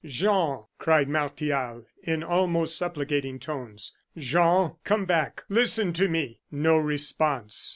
"Jean," cried Martial, in almost supplicating tones; "Jean, come back listen to me!" No response.